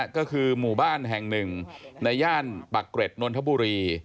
ก็คือหมู่บ้านแห่งหนึ่งในย่านปักเกร็ดนนทบุรี